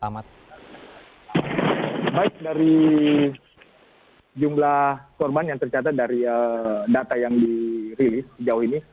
baik dari jumlah korban yang tercatat dari data yang dirilis sejauh ini